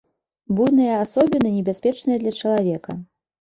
Буйныя асобіны небяспечныя для чалавека.